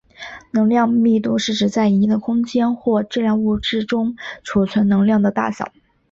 能量密度是指在一定的空间或质量物质中储存能量的大小。